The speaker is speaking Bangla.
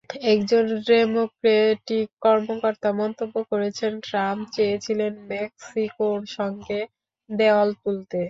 একজন ডেমোক্রেটিক কর্মকর্তা মন্তব্য করেছেন, ট্রাম্প চেয়েছিলেন মেক্সিকোর সঙ্গে দেয়াল তুলতে।